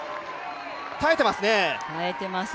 耐えてますね。